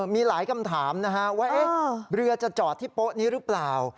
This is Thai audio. มีหลายคำถามนะฮะว่าเรือจะจอดที่โป๊ะนี้หรือเปล่า